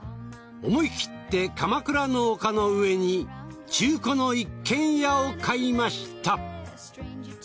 思い切って鎌倉の丘の上に中古の一軒家を買いました。